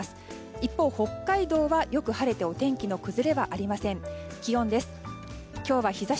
一方、北海道はよく晴れてお天気の崩れはありません。